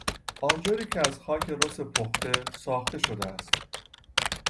آجری که از خاک رس پخته ساخته شده است